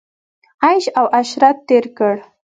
عیش او عشرت تېر کړ.